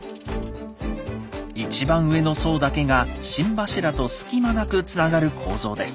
一番上の層だけが心柱と隙間なくつながる構造です。